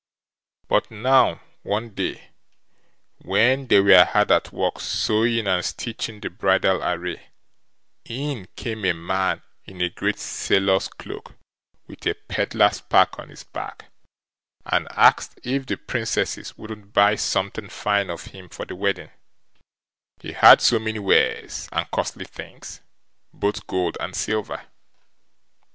But now one day, when they were hard at work sewing and stitching the bridal array, in came a man in a great sailor's cloak with a pedlar's pack on his back, and asked if the Princesses wouldn't buy something fine of him for the wedding; he had so many wares and costly things, both gold and silver.